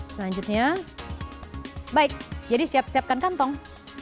selanjutnya baik jadi siap siapkan kantong